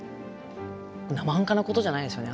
なまはんかなことじゃないですよね。